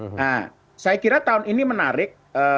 nah saya kira tahun ini menarik